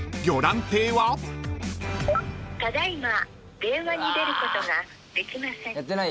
ただ今電話に出ることができません。